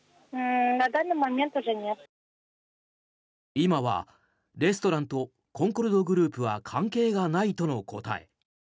今はレストランとコンコルドグループは関係がないとの答え。